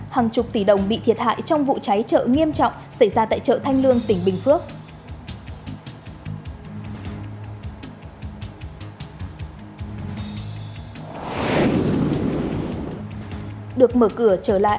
hàng chục tỷ đồng bị thiệt hại trong vụ cháy chợ nghiêm trọng xảy ra tại chợ thanh lương tỉnh bình phước